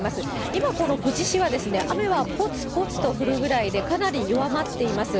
今この富士市は雨はぽつぽつと降るぐらいで、かなり弱まっています。